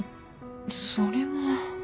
それは。